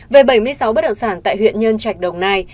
về bảy mươi sáu bất động sản tại huyện nhân trạch đồng nai